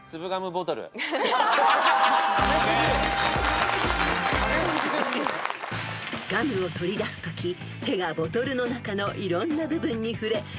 ［ガムを取り出すとき手がボトルの中のいろんな部分に触れ